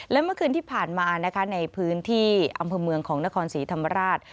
และเมื่อคืนที่ผ่านมานะคะในพื้นที่อำเภอเมืองของนครศรีธรรมราช